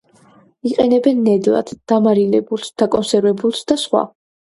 იყენებენ ნედლად, დამარილებულს, დაკონსერვებულს და სხვა.